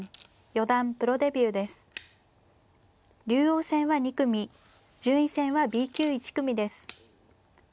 竜王戦は２組順位戦はＢ級１組です。